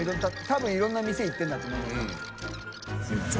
燭屬いろんな店行ってるんだと思うけど。